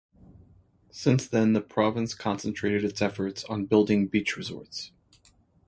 Since then the province concentrated its efforts on building beach resorts.